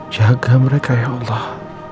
jaga mereka ya allah